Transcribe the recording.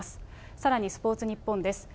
さらにスポーツニッポンです。